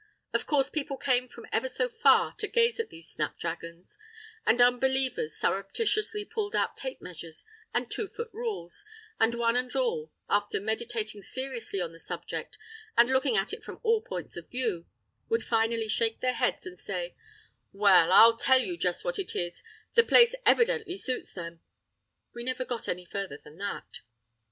Of course, people came from ever so far to gaze at these snapdragons; and unbelievers surreptitiously pulled out tape measures and two foot rules, and one and all, after meditating seriously on the subject, and looking at it from all points of view, would finally shake their heads and say, "Well, I'll just tell you what it is—the place evidently suits them." We never got any further than that!